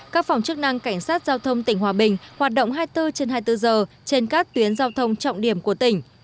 các phòng chức năng cảnh sát giao thông tỉnh hòa bình hoạt động hai mươi bốn trên hai mươi bốn giờ trên các tuyến giao thông trọng điểm của tỉnh